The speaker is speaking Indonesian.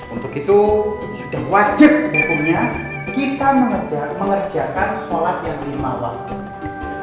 untuk itu sudah wajib hukumnya kita mengerjakan sholat yang lima waktu